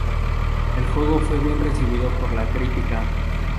El juego fue bien recibido por la crítica.